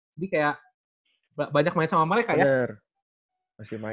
jadi kayak banyak main sama mereka ya